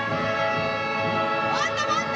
もっともっと！